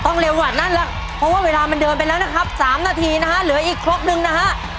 ๓นาทีนะคะเหลืออีกครบนึงนะคะ